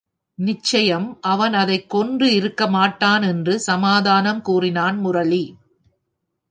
நிச்சயம் அவன் அதைக் கொன்று இருக்கவே மாட்டான் என்று சமாதானம் கூறினான் முரளி.